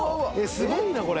すごいなこれ。